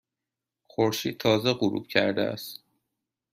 خورشید تازه غروب کرده است.